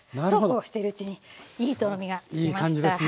そうこうしているうちにいいとろみがつきました。